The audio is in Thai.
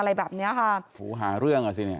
หัวโฮหาเรื่องเหรอใช่มั้ย